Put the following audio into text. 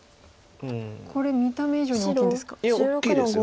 これ見た目以上に大きいんですか。